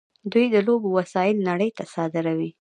دوی د لوبو وسایل نړۍ ته صادروي.